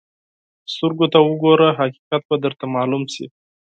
سترګو ته وګوره، حقیقت به درته معلوم شي.